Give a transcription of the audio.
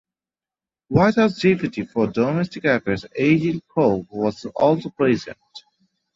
White House Deputy for Domestic Affairs Egil Krogh was also present.